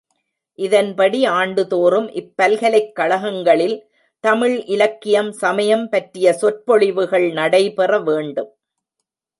இதன்படி ஆண்டுதோறும் இப்பல்கலைக் கழகங் களில் தமிழ் இலக்கியம், சமயம் பற்றிய சொற்பொழிவுகள் நடைபெற வேண்டும்.